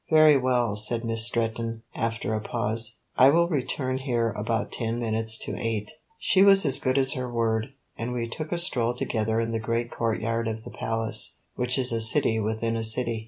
"Very well," said Miss Stretton after a pause; "I will return here about ten minutes to eight." She was as good as her word, and we took a stroll together in the great courtyard of the Palace, which is a city within a city.